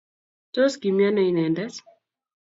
Tos kimiano inendet?